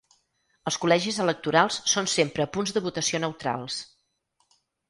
Els col·legis electorals són sempre punts de votació neutrals.